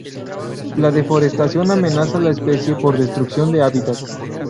La deforestación amenaza la especie por destrucción de hábitat.